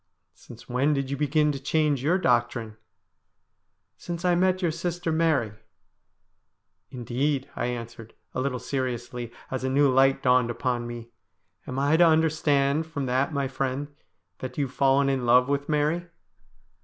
' Since when did you begin to change your doctrine ?'' Since I met your sister Mary.' ' Indeed,' I answered, a little seriously, as a new light dawned upon me, ' am I to understand from that, my friend, that you have fallen in love with Mary